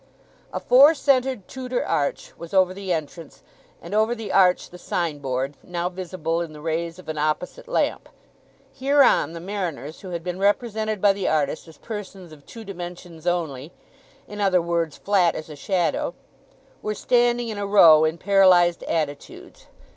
A four centred Tudor arch was over the entrance, and over the arch the signboard, now visible in the rays of an opposite lamp. Hereon the Mariners, who had been represented by the artist as persons of two dimensions only—in other words, flat as a shadow—were standing in a row in paralyzed attitudes.